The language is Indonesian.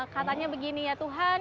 katanya begini ya tuhan